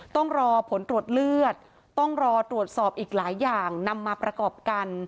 ต้องรอผลตรวจเลือดต้องรอตรวจสอบอีกหลายอย่างนำมาประกอบกัน